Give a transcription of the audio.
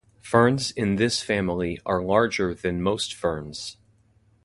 Ferns in this family are larger than most other ferns.